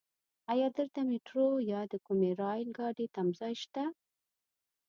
ايا دلته ميټرو يا د کومې رايل ګاډی تمځای شته؟